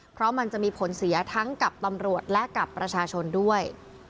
เพราะมันจะมีผลเสียทั้งกับตำรวจและกับประชาชนด้วย